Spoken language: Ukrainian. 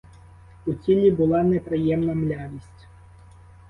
У тілі була неприємна млявість.